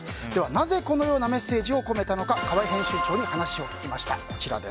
なぜ、このようなメッセージを込めたのか河合編集長に話を聞きました。